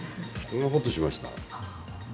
ほっとしました。